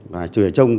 bà trừ trông